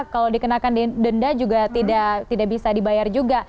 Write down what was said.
kalau dikenakan denda juga tidak bisa dibayar juga